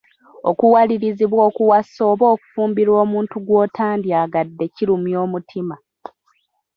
Okuwalirizibwa okuwasa oba okufumbirwa omuntu gw'otandyagadde kirumya omutima.